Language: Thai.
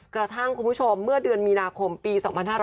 กระทั่งคุณผู้ชมเมื่อเดือนมีนาคมปี๒๕๖๔